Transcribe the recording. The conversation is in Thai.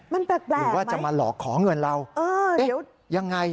มันแปลกหรือว่าจะมาหลอกขอเงินเราเอ๊ะยังไง